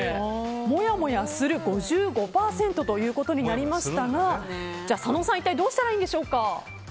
もやもやする５５％ということになりましたが佐野さん、一体どうしたらいいんでしょうか。